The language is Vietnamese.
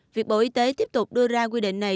việc bộ y tế tiếp tục đưa ra quy định này